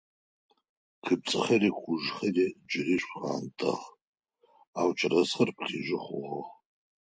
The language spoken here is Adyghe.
Къыпцӏэхэри къужъхэри джыри шхъуантӏэх, ау чэрэзхэр плъыжьы хъугъэх.